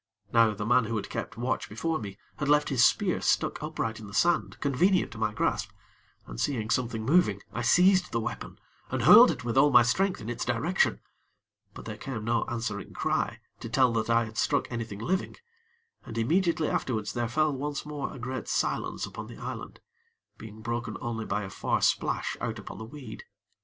Now the man who had kept watch before me had left his spear stuck upright in the sand convenient to my grasp, and, seeing something moving, I seized the weapon and hurled it with all my strength in its direction; but there came no answering cry to tell that I had struck anything living, and immediately afterwards there fell once more a great silence upon the island, being broken only by a far splash out upon the weed.